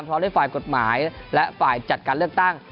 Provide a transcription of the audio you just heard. พร้อมด้วยฝ่ายกฎหมายและฝ่ายจัดการเลือกตั้ง